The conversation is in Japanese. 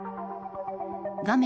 画面